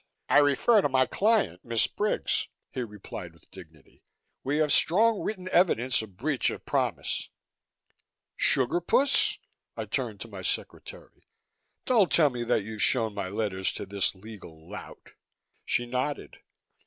"I refer to my client, Miss Briggs," he replied with dignity. "We have strong written evidence of breach of promise." "Sugar puss?" I turned to my secretary, "Don't tell me that you've shown my letters to this legal lout?" She nodded.